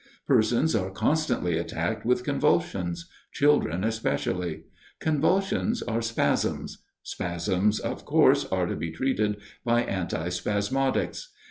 Persons are constantly attacked with convulsions children especially; convulsions are spasms: spasms, of course, are to be treated by antispasmodics.